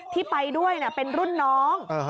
ที่ไปด้วยเป็นรุ่นน้อง